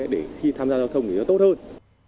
để khi tham gia giao thông thì nó tốt hơn